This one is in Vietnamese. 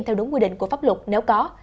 theo đúng quy định của pháp luật nếu có